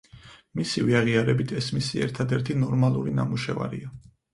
მისივე აღიარებით, ეს მისი ერთადერთი ნორმალური ნამუშევარია.